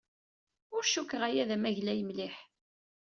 Ur cukkteɣ aya d amaglay mliḥ.